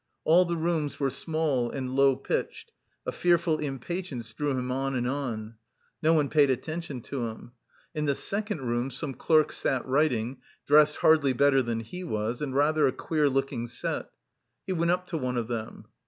All the rooms were small and low pitched. A fearful impatience drew him on and on. No one paid attention to him. In the second room some clerks sat writing, dressed hardly better than he was, and rather a queer looking set. He went up to one of them.